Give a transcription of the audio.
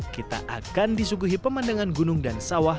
kita akan disuguhi pemandangan gunung dan sawah